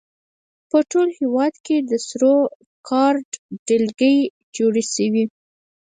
په ټول هېواد کې د سور ګارډ ډلګۍ جوړې شوې.